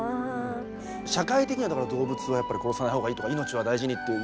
社会的には動物はやっぱり殺さないほうがいいとか命は大事にっていう。